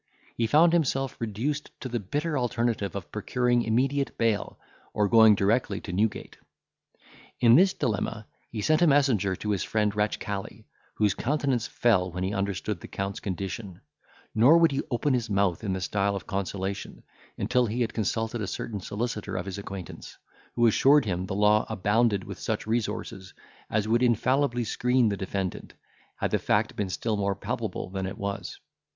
He found himself reduced to the bitter alternative of procuring immediate bail, or going directly to Newgate. In this dilemma he sent a messenger to his friend Ratchcali, whose countenance fell when he understood the Count's condition; nor would he open his mouth in the style of consolation, until he had consulted a certain solicitor of his acquaintance, who assured him the law abounded with such resources as would infallibly screen the defendant, had the fact been still more palpable than it was.